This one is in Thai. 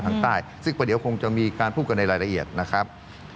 ทางใต้ซึ่งก็เดี๋ยวคงจะมีการพูดกันในรายละเอียดนะครับ